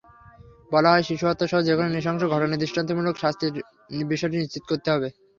বলা হয়, শিশুহত্যাসহ যেকোনো নৃশংস ঘটনার দৃষ্টান্তমূলক শাস্তির বিষয়টি নিশ্চিত করতে হবে।